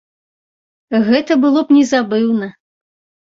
Гэта было б незабыўна!